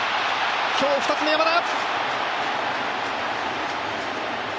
今日２つ目、山田！